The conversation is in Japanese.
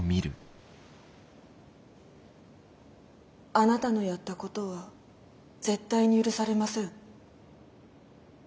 あなたのやったことは絶対に許されません。